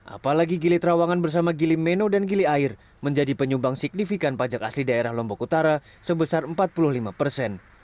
apalagi gili terawangan bersama gili meno dan gili air menjadi penyumbang signifikan pajak asli daerah lombok utara sebesar empat puluh lima persen